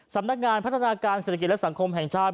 สำนักงานพัฒนาการเศรษฐกิจและสังคมแห่งชาติ